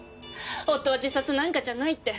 夫は自殺なんかじゃないって